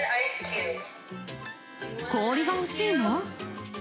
氷が欲しいの？